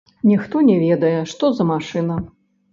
Ніхто не ведае, што за машына.